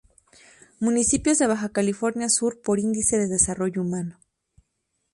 Municipios de Baja California Sur por índice de desarrollo humano